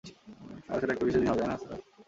আহ, সেটা একটা বিশেষ দিন হবে, তাই না স্যারা?